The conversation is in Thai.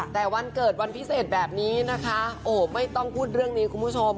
แต่วันเกิดวันพิเศษแบบนี้นะคะโอ้ไม่ต้องพูดเรื่องนี้คุณผู้ชม